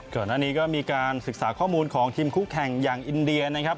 ก่อนหน้านี้ก็มีการศึกษาข้อมูลของทีมคู่แข่งอย่างอินเดียนะครับ